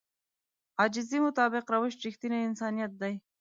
د عاجزي مطابق روش رښتينی انسانيت دی.